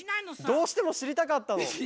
どうしてもしりたかったの。